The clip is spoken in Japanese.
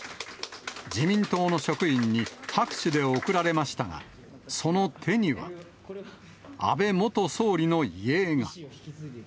自民党の職員に拍手で送られましたが、その手には、安倍元総理の遺影が。